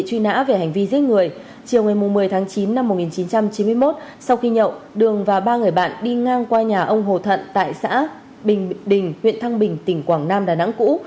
cảnh vi giết người chiều một mươi tháng chín năm một nghìn chín trăm chín mươi một sau khi nhậu đường và ba người bạn đi ngang qua nhà ông hồ thận tại xã bình đình huyện thăng bình tỉnh quảng nam đà nẵng cũ